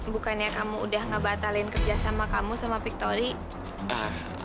bukannya kamu udah ngebatalin kerja sama kamu sama victoria